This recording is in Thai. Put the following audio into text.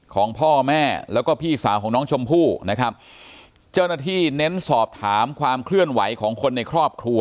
ของพ่อแม่แล้วก็พี่สาวของน้องชมพู่นะครับเจ้าหน้าที่เน้นสอบถามความเคลื่อนไหวของคนในครอบครัว